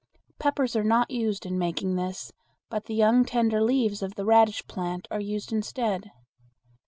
Peppers are not used in making this, but the young tender leaves of the radish plant are used instead.